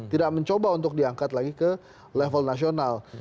tidak mencoba untuk diangkat lagi ke level nasional